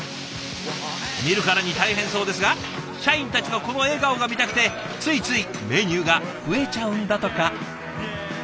見るからに大変そうですが社員たちのこの笑顔が見たくてついついメニューが増えちゃうんだとか。